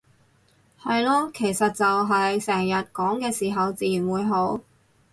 係囉，其實就係成日講嘅時候自然會好